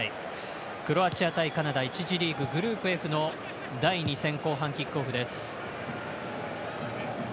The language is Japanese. クロアチア対カナダ１次リーググループＦの第２戦後半キックオフです。